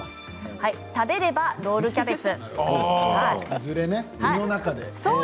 食べればロールキャベツ。